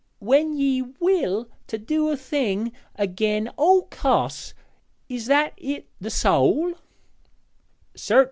When ye will to do a thing agen all costs, is that i' the soäl?'